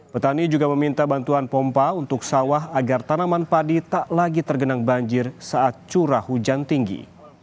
petani juga meminta bantuan pompa untuk sawah agar tanaman padi tak lagi tergenang banjir saat curah hujan tinggi